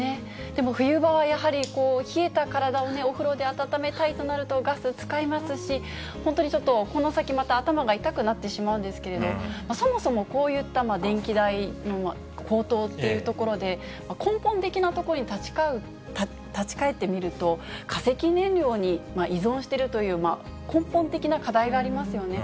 でも冬場はやはり、冷えた体をお風呂で温めたいとなると、ガス使いますし、本当にちょっと、この先、頭が痛くなってしまうんですけれども、そもそもこういった電気代の高騰っていうところで、根本的なところに立ち返ってみると、化石燃料に依存してるという、根本的な課題がありますよね。